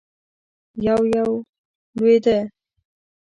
يو- يو لوېده.